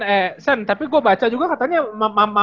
eh chan tapi gue baca juga katanya